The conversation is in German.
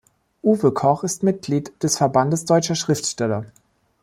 Uwe Koch ist Mitglied des Verbandes Deutscher Schriftsteller.